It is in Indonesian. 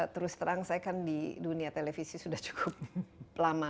terus terang saya kan di dunia televisi sudah cukup lama